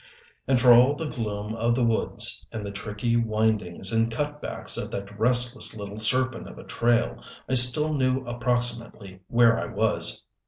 And for all the gloom of the woods, and the tricky windings and cut backs of that restless little serpent of a trail, I still knew approximately where I was.